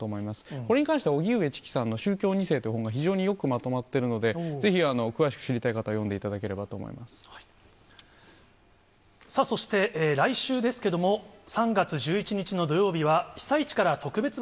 これに関しては荻上チキさんの宗教２世という本が、非常によくまとまっているので、ぜひ、詳しく知りたい方は読んでいただければそして来週ですけども、うわぁ！